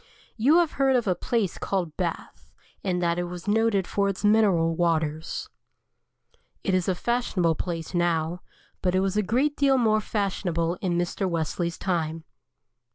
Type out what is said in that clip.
You have heard of a place called Bath, and that it is noted for its mineral waters. It is a fashionable place now, but it was a great deal more fashionable in Mr. Wesley's time.